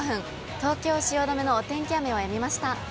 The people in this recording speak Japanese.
東京・汐留のお天気雨はやみました。